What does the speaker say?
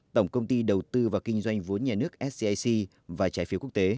tổng công ty đầu tư và kinh doanh vốn nhà nước scac và trái phiếu quốc tế